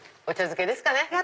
お茶漬けですかね。